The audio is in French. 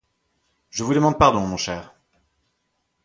Je vous demande pardon, mon cher.